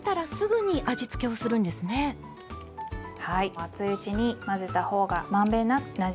熱いうちに混ぜた方が満遍なくなじみます。